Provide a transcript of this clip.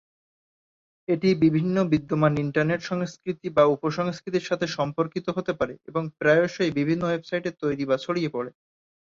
এটি বিভিন্ন বিদ্যমান ইন্টারনেট সংস্কৃতি বা উপ-সংস্কৃতির সাথে সম্পর্কিত হতে পারে, এবং প্রায়শই বিভিন্ন ওয়েবসাইটে তৈরি বা ছড়িয়ে পড়ে।